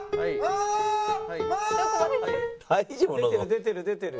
出てる出てる。